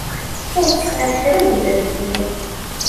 Ur tesɛiḍ kra n uzref fell-i.